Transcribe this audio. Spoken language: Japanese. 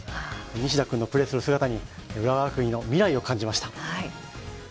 西田君のプレーする姿に、浦和学院の未来を感じました。